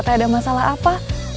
tidak ada masalah apa